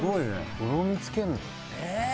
とろみつけるの？